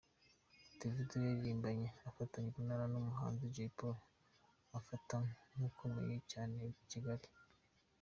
Davido yaririmbye afatanye urunana n’umuhanzi Jay Polly afata nk’ukomeye cyane i Kigali.